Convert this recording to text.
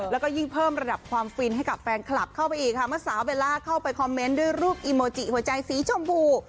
แล้วก็ยิ่งเพิ่มระดับความฟินให้กับแฟนคลับเข้าไปอีกค่ะเมื่อสาวเบลล่าเข้าไปคอมเมนต์ด้วยรูปอีโมจิหัวใจสีชมพู